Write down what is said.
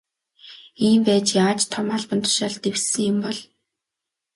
Ийм байж яаж том албан тушаалд дэвшсэн юм бол.